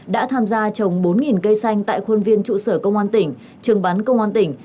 đã tham gia trồng bốn cây xanh tại khuôn viên trụ sở công an tỉnh trường bán công an tỉnh